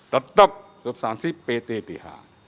tetap substansi ptdh